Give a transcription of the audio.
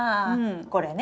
これね？